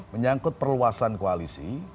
menyangkut perluasan koalisi